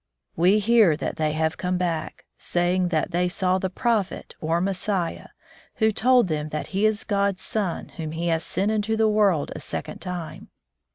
We hear that they have come back, saying that they saw the prophet, or Messiah, who told them that he is God's Son whom He has sent into the world a second time.